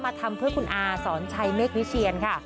ทำเพื่อคุณอาสอนชัยเมฆวิเชียนค่ะ